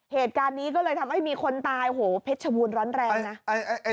เหตุการณ์นี้ก็เลยทำให้มีคนตายโหเพชรชบูรณร้อนแรงนะ